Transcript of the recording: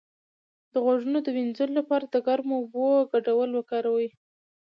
د غوږونو د مینځلو لپاره د ګرمو اوبو ګډول وکاروئ